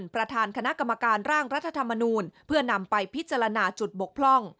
ประธานคณะกรรมการร่างรัฐธรรมนูลเพื่อนำไปพิจารณาจุดบกพร่อง